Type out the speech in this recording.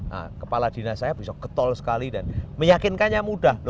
nah kepala dinas saya bisa ketol sekali dan meyakinkannya mudah